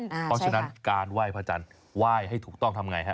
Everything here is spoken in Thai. เพราะฉะนั้นการไหว้พระจันทร์ไหว้ให้ถูกต้องทำไงฮะ